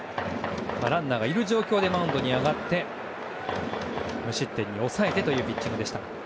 ランナーがいる状況でマウンドに上がって無失点に抑えてというピッチングでした。